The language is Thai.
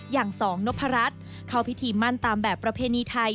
อย่างสองนพรัชเข้าพิธีมั่นตามแบบประเพณีไทย